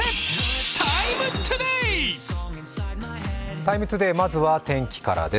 「ＴＩＭＥ，ＴＯＤＡＹ」まずは天気からです。